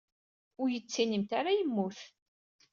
Ur iyi-d-ttinimt ara yemmut.